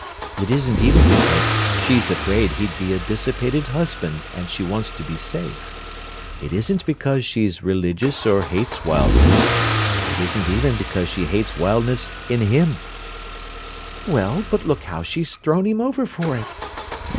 It isn't even because she's afraid he'd be a dissipated husband and she wants to be safe. It isn't because she's religious or hates wildness; it isn't even because she hates wildness in him." "Well, but look how she's thrown him over for it."